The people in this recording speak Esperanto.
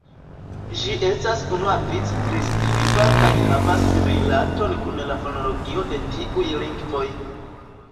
Ĝi estas unuavice priskriba kaj havas rilaton kun la fonologio de tiuj lingvoj.